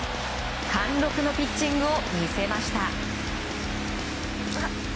貫禄のピッチングを見せました。